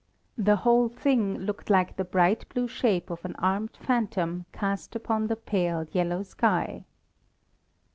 The whole thing looked like the bright blue shape of an armed phantom cast upon the pale, yellow sky.